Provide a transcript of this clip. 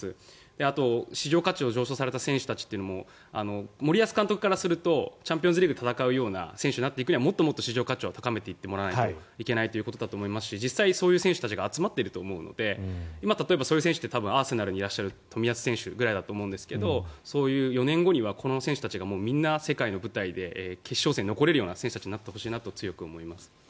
あと、市場価値を上昇された選手たちというのは森保監督からするとチャンピオンズリーグで戦っていくような選手になるにはもっともっと市場価値を高めていってもらわないといけないということだと思いますし実際、そういう選手たちが集まっていると思うのでそういった選手たちって多分アーセナルにいる冨安選手ぐらいだと思うんですが４年後にはこの選手たちがみんな世界の舞台で決勝戦に残れる選手になっていてほしいなと強く思います。